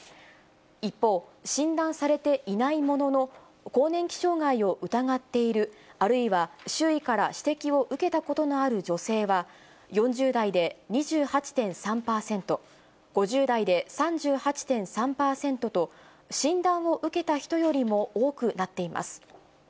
一方、診断されていないものの、更年期障害を疑っている、あるいは周囲から指摘を受けたことのある女性は、４０代で２８．３％、５０代で３８．３％と、診断を受けた人よりも多くなっています。